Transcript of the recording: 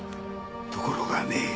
ところがね